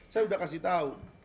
saya sudah kasih tahu